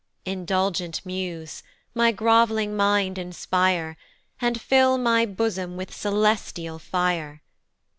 INDULGENT muse! my grov'ling mind inspire, And fill my bosom with celestial fire.